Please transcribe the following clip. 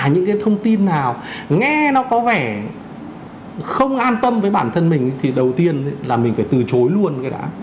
những cái thông tin nào nghe nó có vẻ không an tâm với bản thân mình thì đầu tiên là mình phải từ chối luôn cái đã